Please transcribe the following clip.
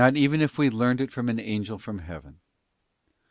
even if we learned it from an angel from Heaven.